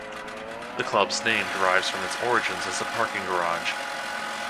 The club's name derives from its origins as a parking garage.